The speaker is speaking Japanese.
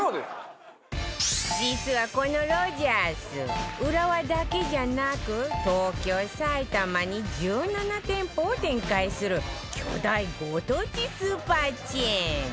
実はこのロヂャース浦和だけじゃなく東京埼玉に１７店舗を展開する巨大ご当地スーパーチェーン